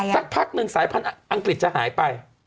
สักพักหนึ่งสายพันธุ์อังกฤษจะหายไป